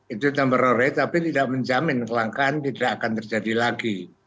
itu number of rate tapi tidak menjamin kelangkaan tidak akan terjadi lagi